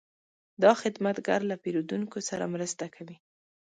دا خدمتګر له پیرودونکو سره مرسته کوي.